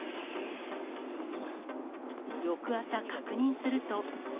翌朝、確認すると。